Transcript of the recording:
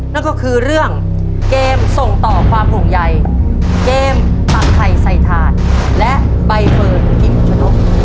นั่นก็คือเรื่องเกมส่งต่อความห่วงใยเกมตักไข่ใส่ถาดและใบเฟิร์นพิมชนก